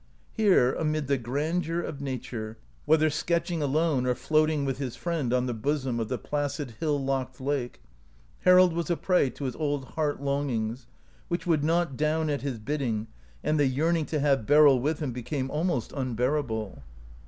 Here, amid the grandeur of nature, whether sketching alone or floating with his friend on the bosom of the placid hill locked lake, Harold was a prey to his old heart longings, which would not down at his bid ding, and the yearning to have Beryl with him became almost unbearable.